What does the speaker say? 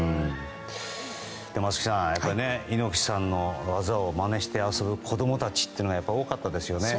松木さん、猪木さんの技をまねして遊ぶ子供たちというのは多かったですよね。